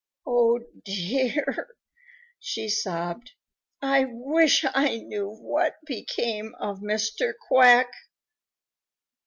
"Oh, dear," she sobbed, "I wish I knew what became of Mr. Quack."